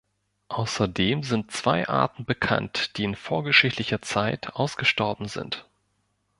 Außerdem sind zwei Arten bekannt, die in vorgeschichtlicher Zeit ausgestorben sind.